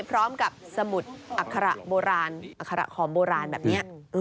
พร้อมกับสมุดอัคระโบราณอัคระคอมโบราณแบบเนี้ยอืม